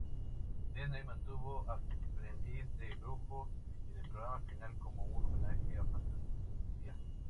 Disney mantuvo "aprendiz de brujo" en el programa final como un homenaje a Fantasia.